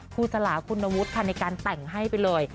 ครูสลาคุณวุฒิค่ะในการแต่งให้ไปเลย